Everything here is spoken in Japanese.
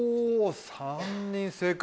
３人正解。